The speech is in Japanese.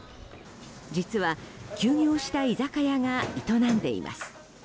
実は、休業した居酒屋が営んでいます。